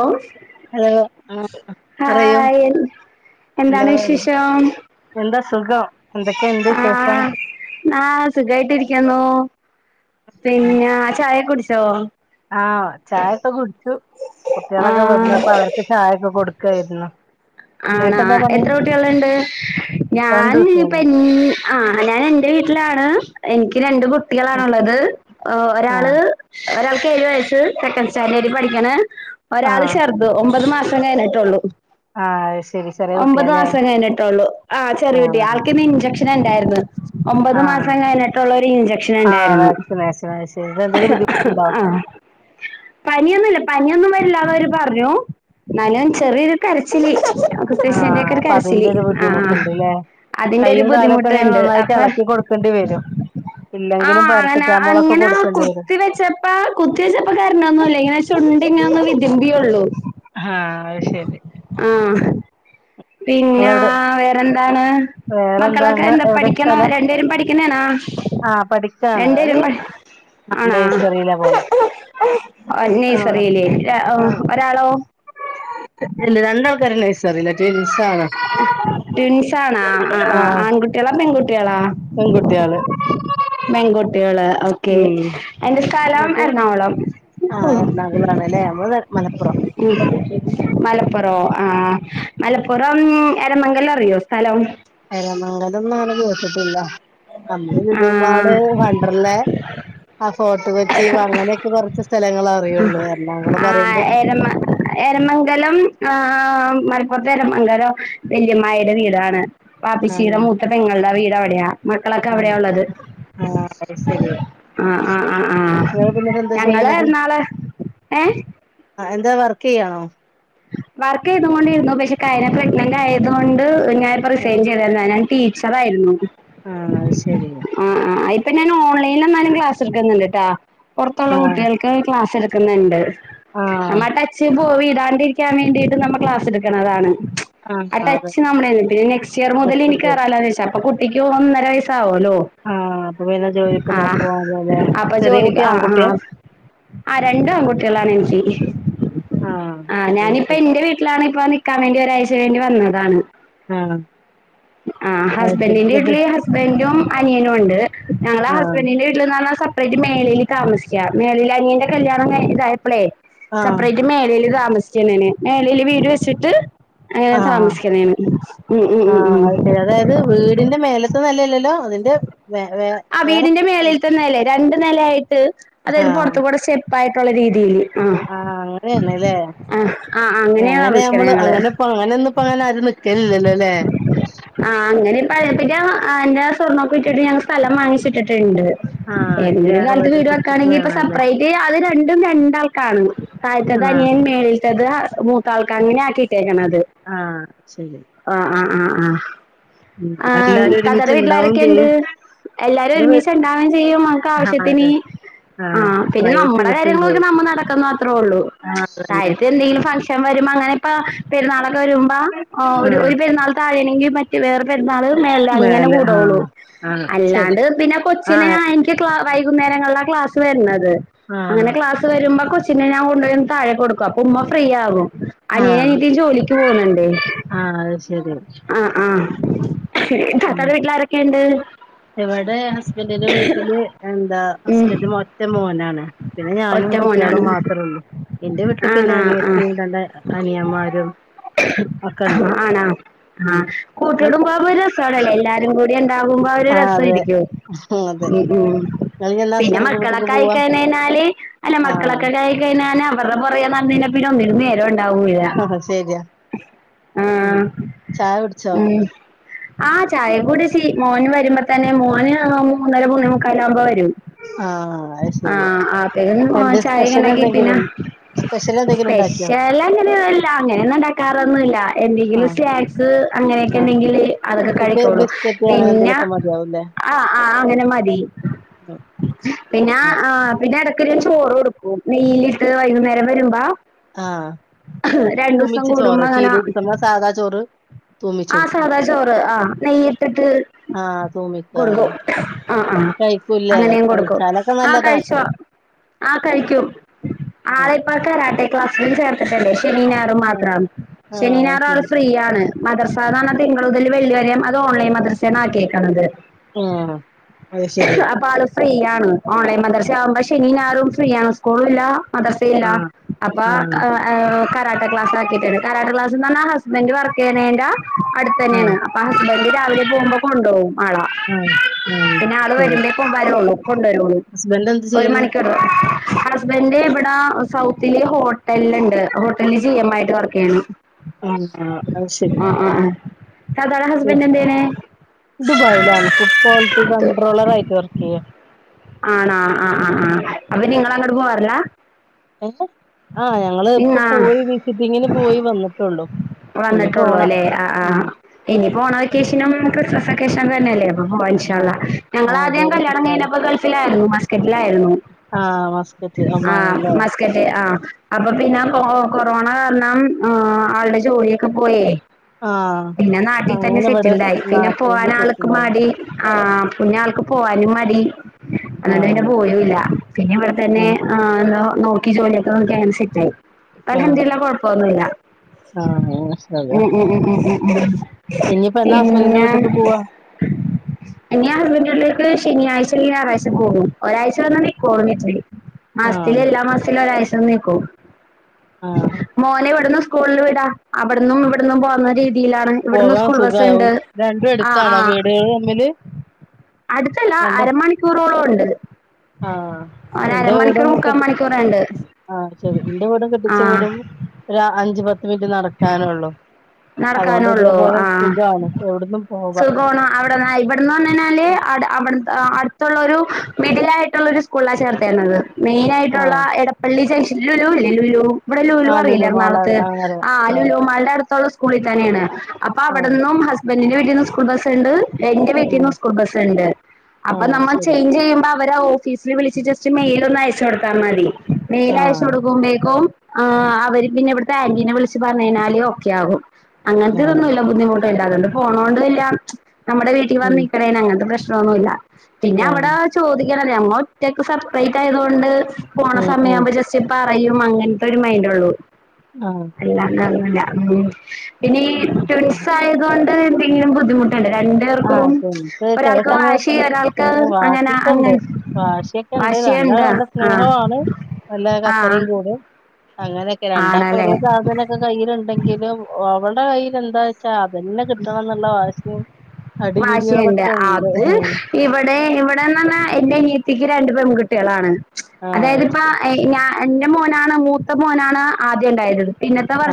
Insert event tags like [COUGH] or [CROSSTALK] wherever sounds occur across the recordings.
ഓ hello ആ പറയൂ hi hello എന്താണ് വിഷേഷം എന്താ സുഖം എന്തൊക്കെയുണ്ട് വിശേഷം ആ ആ സുഖായിട്ടിരിക്കുന്നു പിന്നാ ചായ കുടി ആ ചായൊക്കെ കുട്ച്ചു ആ കുട്ട്യാളൊക്കെ വന്നപ്പൊ അവർക്ക് ചായൊക്കെ കൊട് ക്കെയ്ര്ന്നു ആണാ എത്ര കുട്ടികള്ണ്ട് രണ്ട് ഞാൻഞ്ഞ് കുട്ടികള് പ്പെൻ ആ ഞാൻ എന്റെ വീട്ട്ലാണ് എനിക്ക് രണ്ട് ആഹ് കുട്ടികളാണുള്ളത് ഒരാള് ആഹ് ഒരാൾക്ക് ഏഴ് വയസ്സ് സെക്കൻഡ് സ്റ്റാൻഡേർഡിൽ പഠിക്കണ് ഒരാള് ആഹ് ചെർത് ഒമ്പത് മാ സം കയ്ന്ട്ടൊള്ളൂ ആ ശെ ഒമ്പത് മാസം കഴിഞ്ഞിട്ടൊള്ളു ആ ചെറിയ കുട്ടി ആഹ് ആൾക്കിന്ന് ഇഞ്ചക്ഷന്ണ്ടാര്ന്ന് ഒമ്പത് ആഹ് മാസം കഴിഞ്ഞിട്ട്ള്ളൊരു ആഹ് ഇഞ്ചക്ഷന്ണ്ടാര്ന്ന് വാക്സിനേഷൻ അത് ശരി ഇതെന്തേലും ബുദ്ധിമുട്ടുണ്ടോ ആ പനിയൊന്നുല്ല പനിയൊന്നും വരില്ല അതവര് പറഞ്ഞു ന്നാലും ചെറിയൊരു കരച്ചില് ആഹ് കുത്തിവെച്ചേന്റൊക്കൊര് അപ്പൊ കരച്ചില് അതിന്റെ ഒരു ആ ബുദ്ധിമുട്ടുണ്ട്ല്ലേ അതിന്റെ ഒരു കയ്യും കാലൊക്കെ ഇങ്ങനെ ബുദ്ധിമുട്ട്ണ്ട് നന്നായിട്ട് അപ്പ ഇളക്കി കൊടുക്കേണ്ടി വരും ആ ഇല്ലെങ്കിലും അങ്ങന പാരസെറ്റാമോളൊക്കെ അങ്ങന കൊടുക്കേണ്ടി വരും കുത്തി വെച്ചപ്പാ കുത്തി വെച്ചപ്പ കരഞ്ഞൊന്നുല്ല ഇങ്ങനെ ചൊ ണ്ടിങ്ങനൊന്ന് വിതുമ്പിയൊള്ളൂ ആ അയ്ശെരി പിന്നാ വേറെന്താണ് വേറെന്താ മക്കളൊക്കെ ഇങ്ങള് എന്താ എവിടെ പഠിക്ക്ന്ന സ്ഥലം രണ്ട്പേരും പഠിക്കന്നേണാ ആ പഠിക്കാണ് ഒരു രണ്ട്പേരും പ ആണാ നഴ്സറിയിലാ പോണെ ഒ ആ നെഴ്സറീല് ആ ഒരാളോ ഇല്ല രണ്ടാൾക്കാരും നേഴ്സറിലാ ട്‌വി റ്റ്വിൻസാണോ ആ ആ ആൺകുട്ടികളാ പെൺകുട്ടികളാ പെൺകുട്ടികള് പെൺകുട്ടികള് ഓക്കെ ഉം എന്റെ സ്ഥലം എന്നിട്ട് എറണാകൊളം ആ എറണാകുളാണല്ലേ നമ്മള് മലപ്പുറം മലപ്പുറവോ ആ മലപ്പുറം എരമംഗലം അറിയോ സ്ഥലം എരമംഗലംന്നങ്ങനെ കേട്ട്ട്ട്ല്ല നമ്മള് ആ ലുലുമാള് വണ്ടർല്ലെ അ ഫോട്ട് കൊച്ചി അങ്ങനെയൊക്കെ കൊർച്ച് ആ എരമ എരമംഗലം ആ മ ലപൊർത്തെ എരമംഗലം വല്ല്യമ്മായിടെ വീടാണ് ആ വാപ്പച്ചിടെ മൂത്ത പെങ്ങൾടെ വീട് അവിടെയാ മക്കളൊക്കെ ആ അവിടെയാ ഒള്ളത് ആ അത് ശരി ആ ആ ആ ആ നിങ്ങളിപ്പോ എന്നിട്ട് എന്താ ഞങ്ങള് ചെയ്യണത് ന്നാള് എ ആ എന്താ വർക്കെയ്യാണോ വർക്കെയ്തും കൊണ്ടിര്ന്നു പക്ഷെ കയ്ഞ്ഞ പ്രഗ്നന്റായത് കൊണ്ട് ഞാനിപ്പോ ആ റിസൈൻ ചെയ്താര്ന്നു [UNINTELLIGIBLE] ടീച്ചറായിര്ന്നു ആ അത് ശെരി പിന്നെ ഞാൻ ഓൺലൈൻലെന്നാലും ക്ലാസ് എടുക്കുന്നുണ്ട്ട്ടാ പൊറത്തൊള്ള ആ കുട്ടികൾക്ക് ക്ലാസ് എട്ക്ക്ന്ന്ണ്ട് ആ നമ്മടച്ച് പോ വിടാണ്ടിരിക്കാൻ വേണ്ടീട്ട് നമ്മ ക്ലാസ്ട്ക്ക്ണതാണ് ആ ടച്ച് നമ്മുടെന്ന് പിന്നെ നെക്സ്റ്റിയർ മുതലിനി വിട്ടപ്പോ കേറാലൊന്ന് വെച്ചാ അപ്പൊ കുട്ടിക്ക് ഒന്നര വയസാവും ഹലോ ആ അപ്പൊ പിന്നെ ആ ജോലിക്കൊന്നും പോവാതെ അപ്പൊ ചെറിയ ജോലി കുട്ടി ആ ആ ആൺകുട്ടിയാ ആ രണ്ടും ആൺകുട്ട്യളാണെനിക്ക് ആ അത് ഞാനിപ്പോ ശരി എന്റെ വീട്ടിലാണ് ഇപ്പ നിക്കാൻ വേണ്ടി ഒരാഴ്ച വേണ്ടി വന്നതാണ് ആ ആ അത് ശരി ഹസ്ബൻഡിന്റെ ഇത് വീട്ട്ല് ഹസ്ബൻഡും അനിയനുണ്ട് ഞങ്ങള് ആ ഹസ്ബൻഡിന്റെ വീട്ടില്ന്നർഞ്ഞാ സ സെപ്പറേറ്റ് മേളില് താമസിക്ക മേളില് അനിയന്റെ കല്യാണം കഴിഞ്ഞ്തായപ്പഴേ ആ സപ്പറേറ്റ് മേളി ല് താമസിക്കെന്നെണ് മേളില് വീട് വെച്ചിട്ട് അങ്ങനെ ആ താമസിക്കണെണ് ഉം ഉ ആ ഉം ഉം ത്തെ നെലല്ലല്ലോ അതിന്റെ വേ വേ ആ വേറെ വീടിന്റെ മേളിൽത്തെ നെല രണ്ട് നെല ആയിട്ട് ആ അതായത് പൊറത്ത് കൂടെ സ്റ്റെപ്പായിട്ട് ട്ടുള്ള രീതില് ആ അങ്ങനാണല്ലേ ആഹ് അങ്ങനെയാ അങ്ങനെ താമസിക്കണേ നമ്മള് ഞങ്ങള്. അങ്ങനെപ്പ അങ്ങനൊന്നപ്പോ അങ്ങനെ ആരും നിക്കലില്ലല്ലോല്ലേ ആഹ് അങ്ങനെ [UNINTELLIGIBLE] എന്റെ സ്വർണ്ണൊക്ക വിറ്റ്ട്ട് ഞാൻ സ്ഥലം വാങ്ങിച്ചിട്ടിട്ടുണ്ട് ആ ഇനി ഏതെങ്കിലും വേറെ കാലത്ത് വീട് വെച്ചിട്ട് വെക്കാണെങ്കി ഇപ്പൊ വേണല്ലേ സെപ്പറേറ്റ് അത് രണ്ടും രണ്ടാൾക്കാണ്‌ താഴത്തെ ആ അതാ ഞാൻ മേളിൽത്തത് മൂത്താൾക്ക് അങ്ങനെ ആക്കിട്ടേക്കണത് ആ ശെരി ആ ആ ആ എല്ലാരും താത്തേടെ ഒരുമിച്ച് ഉണ്ടാവും വീട്ടിലാരൊക്കെ ഇണ്ട് ചെയ്യും എല്ലാരും ഇത് വീ- ഒരുമിച്ച് ഇണ്ടാവേം ചെയ്യും നമ്മുക്ക് ആ അതെ ആവശ്യത്തിന് ആ ആഹ് പിന്നെ പ്രൈവസി നമ്മടെ വിട്ടില്ലേ കാര്യങ്ങളൊക്കെ നമ്മ നടക്കുന്ന അത്രേ ഉള്ളൂ ആഹ് അതന്നെ കാര്യാത്തി എന്തെങ്കിലും ഫംഗ്ഷൻ വരുമ്പോ അങ്ങനെ ഇപ്പ പെരുന്നാളൊക്കെ വരുമ്പോ ഒരു ആഹ് ഒരു പെരുന്നാൾ [UNINTELLIGIBLE] പെരുന്നാള് മേള അങ്ങനെ മേലെ കൂടള്ളൂ ആഹ് ആഹ് ശരി അല്ലാണ്ട് പിന്നെ കൊച്ചിനെ ആഹ് എനിക്ക് ക്ലാ വൈകുന്നേരങ്ങളിലാ ക്ലാസ് വരുന്നത് ത് ആഹ് അങ്ങനെ ക്ലാസ് വരുമ്പോ കൊച്ചിനെ ഞാൻ കൊണ്ടൊയൊന്ന് താഴെ കൊടുക്കും അപ്പ ഉമ്മ ഫ്രീ ആകും അനിയനും ആഹ് അനിത്തീം ജോലിക്ക് പോകുന്നുണ്ടേ ആഹ് അത് ശരി ആ ആ ശരിക്കും താത്താടെ വീട്ടിലാരൊക്ക്ണ്ട് ഇവടെ ഹസ്ബൻഡിന്റെ വീട്ടില് എന്താ ഉം ഹസ്ബൻഡ് ഒറ്റ മോനാണ് പിന്നെ ഞാൻ ഒറ്റ നും കുട്ട്യാളും മോനാണ്. മാത്രേ ഉള്ളൂ എന്റെ വീട്ടില് പിന്നെ ആണാ അനിയത്തീം രണ്ട് അനിയമാരും ആണ ആ കൂട്ട് ഇങ്ങൾ കുടുംബാവുമ്പോ ഒരു രസാണല്ലേ എല്ലാരും കൂടി എന്താ ആഹ് അതെ രസായിരിക്കോ അതെ ഉം ഉ ഇങ്ങള് എന്നാ പിന്നെ ഹസ്ബൻഡിന്റെ വീട്ടിക്ക് മക്കളൊക്കായി പോവാ കയ്ഞ്ഞ് കയ്ഞ്ഞാല് അല്ല മക്കളൊക്കായി ആഹ് കഴ് കഴിഞ്ഞാ അവരുടെ പൊറകെ നടന്ന് കഴിഞ്ഞ പിന്നൊന്നിനും നേരം ണ്ടാവൂല്ല ശരിയാ ആ ഉം ചായ കുടിച്ചോ ഉം ആ ചായ കുടിച്ചി മോന് വര്മ്പോ തന്നെ മോന് മൂന്നര മൂന്നേ മുക്കാലാവുമ്പോ വരും ആഹ് അത് ആ ശരി [UNINTELLIGIBLE] എന്ത് ചായെം സ്പെഷ്യൽ ആണെങ്കിൽ എന്തെങ്കിലും പിന്നെ ഉൺ സ്പെഷ്യൽ എന്തെങ്കിലും ഉണ്ടാക്കിയോ? സ്പെഷ്യൽ അങ്ങനെയല്ല അങ്ങനൊന്നും ഇണ്ടാക്കാറൊന്നുല്ല എന്ത്യെ ന് ആഹ് സ്നാക്സ് അങ്ങനൊക്കെ ആഹ് ഇണ്ടെങ്കില് അതൊക്കെ കുട്ടിക്ക് കഴിക്കോള്ളൂ ബിസ്ക്കറ്റ് അങ്ങനെ പിന്നെ എന്തെലൊക്കെ മതിയാവുംല്ലേ? ആ ആ അങ്ങനെ മതി പിന്നെ ആ പിന്നെ എട ക്ക് ഞാൻ ചോറ് കൊടുക്കും നെയിലിട്ട് വൈകുന്നേരം വരുമ്പോ ആ രണ്ടൂസം കൂടുമ്പങ്ങന. സാധാ ചോറ് തൂമിച്ച് ആ കൊടുക്ക് സാദാ ചോറ് ആ നെയ്യിട്ടിട്ട്. ആഹ് തൂമിക്ക ആഹ് കൊടുക്കും ആ ആ കഴിക്കൂല്ലേ അങ്ങനേം കൊടുക്കും കഴിച്ചാലൊക്കെ ആ നല്ലതാണ് കഴിച്ചോളും. ആ കഴിക്കും, ഉം ആളേപ്പ കരാട്ടെ ക്ലാസ്സിലു ചേർത്തിട്ടണ്ടേ. ശനിം ഞായറും ആഹ് മാത്രം ശനിം ആഹ് അത് ഞായറും ആള് ശരി ഫ്രീ ആണ്. മദ്രസ് സാധാരണ തിങ്കള് മുതല് വെള്ളിവരേ എം അതോൺലൈൻ മദ്രസ്സ്യണാക്കിയേക്കണത്. ആ അത് ശരിയാ. ആള് ഫ്രീ ആണ് ഓൺലൈൻ മദ്രസ്സയാകുമ്പ ശനീം ഞായറും ഫ്രീയാണ് സ്കൂളില്ലാ മദ്രസ്സെയില്ല ആഹ് അപ്പൊ ആഹ് അ കരാട്ടെ ക്ലാസ്സിലാക്കിയിട്ടുണ്ട്, കരാട്ടെ ക്ലാസ്സെന്ന് പറഞ്ഞ ഹസ്ബന്റ് വർക്ക് ചെയ്യണേന്റെ അടുത്ത് തന്നെയാണ് ആഹ് അപ്പാ ഹസ്ബന്റു രാവിലെ പോകുമ്പോ കൊണ്ടോവും ആളാ, ആഹ് ആഹ് പിന്നെ അത് ആള് ശരി വരുമ്പേക്കും വരവൊള്ളൂ. കൊണ്ടുവരുള്ളൂ ഹസ്ബൻഡ് എന്ത് ഒരു ചെയ്യണ്? മണിക്കൂറ്. ഹസ്ബൻഡ് ഇവിടെ സൗത്തില് ഹോട്ടലിലുണ്ട് ഹോട്ടലില് ജി എം ആയിട്ട് വർക്ക്‌ ചെയ്യണു. ആ ആ അത് ശരി. താത്താടെ ഉം. ഹസ്ബെന്റ് എന്തു ചെയ്യണ്? ദുബായിലാണ് ഫുഡ് ക്വാളിറ്റി കൺണ്ട്രോളറായിട്ട് വർക്ക് ചെയ്യ. ആണാ ആ ആ ആ അപ്പൊ നിങ്ങളങ്ങോട്ട് പോവാറില്ലാ? ഹ് ഹ് ആ ഞങ്ങള് നിങ്ങ ഇപ്പ പോയി വിസിറ്റിങ്ങിന് പോയി വന്നിട്ടേള്ളു. വന്നിട്ടുള്ളൂ അല്ലേ, ആ ആ ഇനിപ്പോ ഓണ വെക്കേഷനും ക്രിസ്മസ് വെക്കേഷനും തന്നെ അല്ലേ? ആ മാ ൻശാ ആഹ് അള്ളാ ആഹ് ഞങ്ങളാദ്യം കല്യാണം അതെ കഴിഞ്ഞപ്പോ ഗൾഫിലായിരുന്നു മാസ്കറ്റിലായിരുന്നു. ആഹ് മസ്കറ്റ് ആ ഒമാനല്ലേ മസ്കറ്റ് ആ. അപ്പപിന്നെ, കൊ-കൊറോണ കാരണം ആ, ആളുടെ ജോലിയൊക്കെ പോയേ. ആഹ് പിന്നെ നാട്ടിത്തന്നെ അങ്ങനെ ഇവിടെ സെറ്റിൽഡായി പിന്നെ നാട്ടില് പോകാനാൾക്ക് സെറ്റിലായി മടി. ആ.. പിന്നാൾക്ക് പോവാനും മടി. എന്നിട്ടു പിന്നെ ആഹ് പോയുവില്ല പിന്നെ, ഇവിടെത്തന്നെ ആഹ് ആ എന്തോ നോക്കി ജോലിയൊക്കെ നോക്കി അങ്ങനെ സെറ്റായി. ആഹ് അൽഹംദില്ല കൊഴപ്പോന്നുവില്ല ആഹ് മാഷാഅള്ളാ ഉം ഉം ഉം ഉം ഉം ഉം ഉം. ഇനിയിപ്പോ എന്നാ ഹസ്ബൻഡിന്റെ പിന്നെ--ഞാൻ വീട്ടിക്ക് പോവാ ഇനി ആ വീട്ടിലേക്ക് ശനിയാഴ്ച അല്ലെങ്കി ഞാറാഴ്ച്ച പോകും. ഒരാഴ്ച വന്ന് നിക്കുവൊള്ളൂവീട്ടി. മാസത്തില്, ആഹ് എല്ലാ മാസത്തിലും ഒരാഴ്ച വന്നു നിക്ക്വ? ആഹ് മോനെ വി വിടുന്നും സ്കൂളിൽ വിടാ, അവിടുന്നും ഇവിടുന്നും പോകുന്ന രീതി തിയിലാണ് ഇവിടുന്ന് പോകാൻ സ്കൂൾ ബസ് എണ്ട്. ആ ആ. മില് അടുത്തല്ല അരമണിക്കൂറോളം ഉണ്ട്. ആഹ് ഒരരമണിക്കൂർ മുക്കാ മണിക്കൂറൊണ്ട്. ആ ശരി, ന്റെ വീടും കെട്ടിച്ച വീടും ഒരു അഞ്ചു പത്ത് പത്ത് മിൻറ്റ് നടക്കാനേള്ളു അതുകൊണ്ട് നടക്കാനുള്ളൂ ഇതേപോലെ ആ സുഖാണ്. എവിടുന്നും പോകാം. സുഖാണ്, അവിടെന്ന് ഇവിടെന്ന് പറഞ്ഞു കഴിഞ്ഞാല് ആഹ്. ആ അടെ അവിടു അടു ത്തുള്ളൊരു മിഡിൽ ആയിട്ടുള്ള ഒരു സ്കൂളിലാ ചേർത്തേക്കണത് ആ മെയിനായിട്ടുള്ള എടപ്പള്ളി ജംഗ്ഷ ലുലു ഇല്ലേ ലുലു ഇവിടെ ആ ലുലു അറിയില്ലേ എറണാകൊളത്ത്? മാളറി അറിയാം. ആ ആഹ് ലുലു മാളിന്റെ അടുത്തൊള്ള സ്കൂളിൽ തന്നെയാണ്. അപ്പൊ ആഹ് അവിടെന്നും ഹസ് ബന്റിന്റെ വീട്ടീന്നും സ്കൂൾ ബസ് ഉണ്ട്. എന്റെ ഉം. വീട്ടീന്നും സ്കൂൾ ബസ് ഉണ്ട്. അപ്പൊ ആഹ് നമ്മൾ ശരി. ചേഞ്ച് ചെയ്യുമ്പ അവരാ ഓഫീസിൽ വിളിച്ച് ജസ്റ്റ് മെയിൽ ഒന്നയച്ചു കൊടുത്താ മതി. മെയിൽ അയച്ച് ആഹ് കൊടുക്കുമ്പേക്കും ആ അവര് പിന്നെ ഇവിടുത്തെ ആന്റീനെ വിളിച്ച് പറഞ്ഞു കഴിഞ്ഞാല് ഓക്കെ ആകും. ആഹ് അങ്ങനത്തെതൊന്നുമി ല്ല ബുദ്ധിമുട്ട്. ക്കെണ്ട്, അതൊണ്ട് പോണോണ്ടുവില്ല, നമ്മുടെ വീട്ടിൽ ഉം. വന്നിക്കണെന് അങ്ങനത്തെ പ്രശ്നൊന്നുവില്ല. പിന്നെ ആഹ് അവിടെ ചോദിക്കാനില്ലേ, ഞങ്ങ ഒറ്റക്ക് സെപ്പറേറ്റ് ആയതോണ്ട് പോണ ഉം ഉം. സമയാവുമ്പോ ജസ്റ്റ് പറയും. അങ്ങനത്തെ ഒരു മൈൻഡോള്ളൂ. ആ അല്ല അങ്ങനൊന്നുമില്ല. ഉം, പിന്നെ ഈ ഉം ഉം. ട്വിൻസ് ആയതൊണ്ട് എന്തെങ്കിലും ബുദ്ധിമുട്ട് ണ്ട്, ആഹ് രണ്ടേർക്കും. എനിക്ക് ചെല ഒരാൾക്ക് വാശി, സമയത്ത് ഒരാൾക്ക് ആ അങ്ങനെ അങ്ങ വാശിക്കെണ്ട്. വാശിയൊക്കെണ്ട്. വാശിയൊണ്ട രണ്ടാളും നല്ല ആഹ സ്നേഹവാണ്. നല്ല കച്ചറയുംക്കൂടും. അങ്ങനെയൊക്കെ ആണല്ലേ രണ്ടാക്ക്ഒരേ സാധന ഇത്കൈയ്യിൽഇണ്ടെകിലും, ഒ അവളുടെകയ്യ്ലെന്താന്ന് വെച്ചാൽ അത് തന്നെകിട്ടണംന്ന്ള്ളവാശിയും. വാശിഇണ്ട്. അത് ഇവിടെ, ഇവിടെന്നാണ്. എന്റെഅനിയത്തിക്ക് രണ്ട്പെൺകുട്ട കുട്ടികളാണ്. ആഹ് അതായത്, അത് ഇപ്പ ശരി. എ ഞാ എന്റെ മോനാണ് മൂത്ത മോനാണ് ആദ്യംഇണ്ടായത്.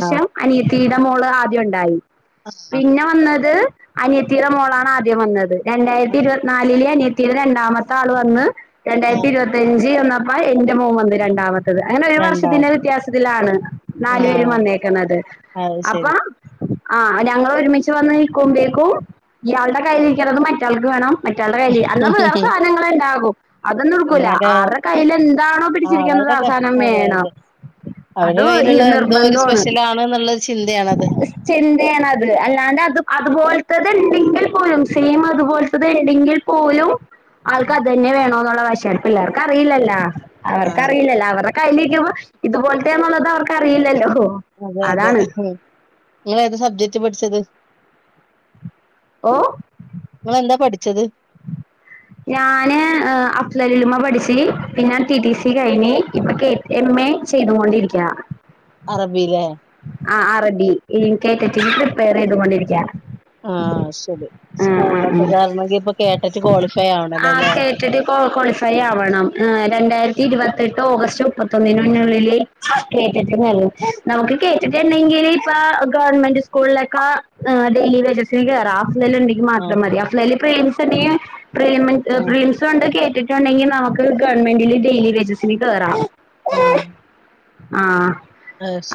ആഹ് അനിയത്തീടെ മോള് ആദ്യം ഉണ്ടായി. ആ പിന്നെ വന്നത് അനിയത്തീടെ മോളാണ് ആദ്യം വന്നത്. രണ്ടായിരത്തി ഇരുപത്തിനാലില് അനിയത്തീടെ രണ്ടാമത്തെ ആൾ വന്ന്. ആ രണ്ടായിരത്തി ഇരുപത്തിയഞ്ച് വന്നപ്പ എന്റെമോൻവന്ന് രണ്ടാമത്തെ. ത് അങ്ങനെ ഒരു വർഷത്തിന്റെ രണ്ടാമത്തെ വ്യത്യാസത്തിലാണ് ആ നാല് പേരുംവന്നേക്കണത്. അത് ശരി. അപ്പാ ആ ഞങ്ങൾ ഒരുമിച്ച് വന്ന് നിൽക്കുമ്പേക്കും, ഇയാളുടെകയ്യിലിരിയ്ക്കണത് മറ്റയാൾക്ക് വേണം. മറ്റുള്ടെകൈയില്അന്നവേറെ സാധനങ്ങള് ഇണ്ടാകും. അതൊന്നും എടുക്കൂല. എന്നാലോ ആരുടെ കൈയ്യിൽ എന്താണോ ആ പിടിച്ചിരിക്കത് അവരുടെ ക അവസാനം അതെ വേണം. അതെ. അവരുടെ അത് കയ്യിലുള്ള എന്തോ ഒരു ഈനിർബന്ധംആണ്. സ്പെഷ്യലാണ് എന്നുള്ളൊരു ചിന്തയാണത്. ത്ചിന്തയാണ്ത്. അല്ലാണ്ട് അത് അതുപോൽ ത്തത് എണ്ടെങ്കിൽ പോലും സെയിം അതുപോലത്തത് എണ്ടെങ്കിൽ പോലും ആ ആൾക്ക് അത് തന്നെ വേണോ എന്നുള്ള വശിടുപ്പില്ലപിള്ളാർക്ക്അറിയില്ലല്ലോ ആ അവർക്ക്റിയില്ലല്ലോ അവരുടെകൈലി ഇതുപോലത്തെയന്നുള്ളത് അവർക്ക്റിയില്ലല്ലോ അതെ അതെ ഏഹ് നിങ്ങളേത് സബ്ജക്റ്റ് പഠിച്ചത് ഓ നിങ്ങളെന്താപഠിച്ചത് ഞാന് ആ അഫ്സലുലുമാപഠിച്ച് പിന്നെ ടി ടി സി കഴിഞ്ഞ് ഇപ്പൊക്കെ എം എ ചെയ്തുകൊണ്ടിരിക്ക അറബിയിലേ ആ് ആ അറബി ഇൻകേറ്റിട്ട് പ്രിപ്പയർ ചെയ്തുകൊണ്ടിരിക്കെയാണ് ആഹ ശരി ഉ ഉ സ്കൂളിലൊക്കെ ഉ കേറണമെങ്കിൽ ഇപ്പൊ കേട്ടിട്ട് ക്വാളിഫൈ ആവണല്ലോ ആ അല്ലേ? കേട്ടിട്ട് ക്വാളിഫൈ ആവണം ആ് രണ്ടായിരത്തി ഇരുപത്തെട്ട് ഓഗസ്റ്റ് മുപ്പത്തൊന്നിന്ന്നുള്ളിലേ കേട്ടിട്ട് നള്ളു നമുക്ക് കേട്ടിട്ടുണ്ടെങ്കിൽ ഇപ്പൊ ഗവൺമെന്റ് സ്കൂളിലൊക്കെ ഡെയിലി വേജസിൽ കേറാം എന്തേലുമുണ്ടെക്കിൽ ആ മാത്രം മതി അഫ്ലെല് പ്രേംസ് ഇണ്ടെക്കിപ്രേമേ ആ പ്രംസ്ഒണ്ട്കെ ട്ടിട്ടുണ്ടെങ്കിൽ നമുക്ക് ഗവൺമെന്റിൽ ഡെയിലി വേസസില്കേറാം ആഹ ആഹ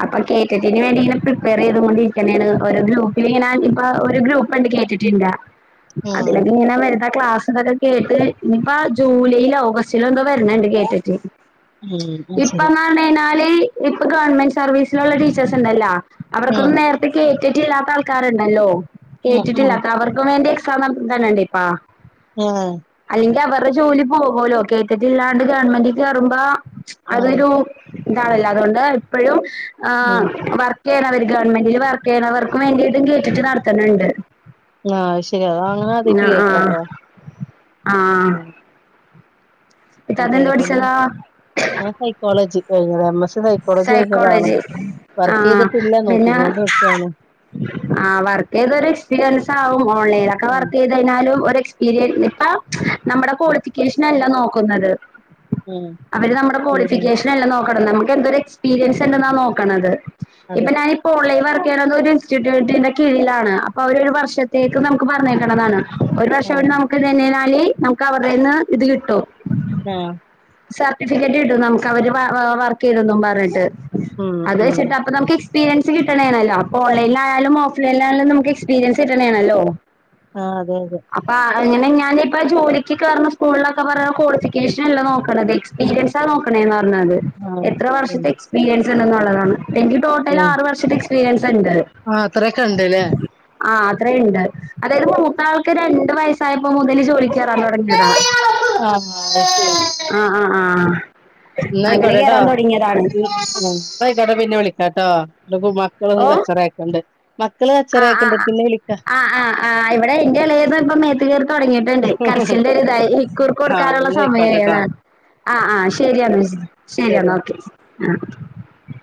അപ്പൊ കേട്ടിട്ട് അതിന് വേണ്ടി ഇങ്ങെനെ പ്രിപ്പയർ ചെയ്ത് കൊണ്ടിരിക്കെയാണ്ഓരോ ഗ്രൂപ്പില് ഇങ്ങനെആയിട്ടിപ്പാഒരുഗ്രൂപ്പ്ണ്ട് കേട്ടിട്ടില്ല ആ അതിലേക്കെങ്ങേനെയാവരുന്നേ ക്ലാസ്സുകളൊക്കെ കേട്ട് ഇനിയിപ്പ ജൂലൈയില ഓഗസ്റ്റിലോ എന്തോ വരണുണ്ട് കേട്ടിട്ട് ഉം അത് ഇപ്പ ശരി. മാണനാല് ഇപ്പൊ ഗവൺമെന്റ് സർവീസിലുള്ള ടീച്ചേഴസ് ഇണ്ടല്ലോ ഉം അവർക്കൊന്നു നേരത്തെകെ തെറ്റില്ലാത്ത ആൾക്കാരുണ്ടല്ലോ ഉ ഉ ക്ക വേണ്ടിയൊെ സാനം തന്നണ്ടേ ഇപ്പാ ആഹ ക്ക്അവരുടെ ജോലി പോകുല്ലോ കേട്ടിട്ടില്ലാണ്ട് ഗവൺമെന്റ് കേറുമ്പോ അതൊരു ഇതാണല്ല അതുകൊണ്ട് ഇപ്പോഴും ആ് ഉം ഉം. വർക്ക് ചെയ്ന്ന് അവര് ഗവൺമെന്റിൽ വർക്ക് ചെയ്യണ വർക്കും വേണ്ടിട്ടും കേട്ടിട്ട് നടത്തണ് ണ്ട് ആഹ ശരിഅതാഅങ്ങനെ അതിട്ട് ആഹ് കേക്കാട്ടോ ഉ ആഹ് ഇത്താത്ത എന്ത് ശരി പിന്നെ പഠിച്ചതാ ഞാൻ സൈക്കോളജി കഴിഞ്ഞതാ എം എസി സൈക്കോളജി ആഹ ചെയ്തിട്ടില്ല പിന്നെ നോക്കിക്കൊണ്ട് നിൽക്കാണ് ആ വർക്ക് ചെയ്ത്ഒര് എക്സ്പീരിയൻസ് ആകുമ്പോ ഉം ഓൺലൈനക്കെവർക്ക് ചെയ്ത്കഴിഞ്ഞാലുംഒരെഎ ഉം സ്പിരിഇപ്പംനമ്മുടെകോളിഫിക്കേഷൻഅല്ലനോക്കുന്നത് ഉം അവര് നമ്മുടെ ശരി ക്വാളിഫിക്കേഷൻ എല്ലാം നോക്കണം നമുക്ക് എന്തോ എക്സ്പീരിയൻസ് ഉണ്ടെന്നാ നോക്കണത് അതെ ഇപ്പൊഞാനിപ്പോ ഓൺലൈൻ വർക്ക് ക്കതൊരു ഇൻസ്റ്റിറ്റ്യൂട്ടിന്റെ കീഴിലാണ്. അപ്പൊ അവരൊരുവർഷത്തേക്കുനമുക്കുപറഞ്ഞേക്കണതാണ് ഒരു ഉം വർഷമവിടെ നമുക്ക് നിന്നതിനാല് നമുക്കവരു ടെ കൈയ്യിന്നിതുകിട്ടും ആ സർട്ടിഫിക്കറ്റ് കിട്ടും നമുക്കവരുവർക്ക് ചെയ്തെന്നും പറഞ്ഞിട്ട്. ഉം ഉം അതുവെച്ചിട്ടപ്പൊ നമുക്കിസ് എക്സ്പീരിയൻസ് കിട്ടണതാണല്ലോ, അപ്പോ ഓൺലൈനിലായാലും, ഓഫ്‌ലൈനിലായാലും നമുക്കെക്സ്പീരിയൻസ് കിട്ടണതാണല്ലോ ആ.. അതെയതെ അങ്ങനെഞാനിപ്പോ, ജോലിക്കു കേറുന്നസ്കൂളിലൊക്കെ പറയ ക്വാളിഫിക്കേഷനല്ല നോക്കണത്. എക്സ്പീരിയൻസാ നോക്കണതേന്ന്പറഞ്ഞ എന്നാല് ആ എത്ര ശരി വർഷത്തെയെക്സ് പീരിയൻസുണ്ടെന്നുള്ളതാണ്‌. എനിക്കു തോന്നുന്നത് ഉം ആറുവർഷത്തെ എക്സ്പീരിയൻസ് സുണ്ട് ആ അത്രയൊക്കെ ഉണ്ടല്ലേ ആ.. അത്രയുമുണ്ട്, അതായത് മൂത്തയാൾക്കു രണ്ടു വയസായപ്പോമുതൽ ജോലിക്കുകേറാൻ തുടങ്ങിയതാ. ആ.. ഹാ.. അതുശരി അ... അ... ആ അങ്ങനെ എന്നായിക്കോട്ടേ കേട്ടോ കേറാൻ തുടങ്ങിയതാണ് എന്നായിക്കോട്ടെ പിന്നെ വിളിക്കാട്ടോ ഇതിപ്പംമക്കളൊന്നും കച്ചവടമായിക്കൊണ്ട് അ അ ആ ആ ആ ഇവിടെയെന്റെ ഇളയതിപ്പമേത്തുകേറി തുടങ്ങിയിട്ടുണ്ട്. ക അച്ഛന്റെ കൈയ്യിലായി, ഈ.. കുറുക്കു ആ കൊടുക്കാനുള്ള എന്നാ ആയിക്കോട്ടെട്ടോ സമയമേതാ അ... ആ ശരിയെന്നാ ശരി ശരിയെന്നാ, ശരി ഓക്കെ.. അ